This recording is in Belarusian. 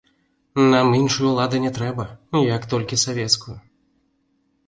Нам іншай улады не трэба, як толькі савецкую.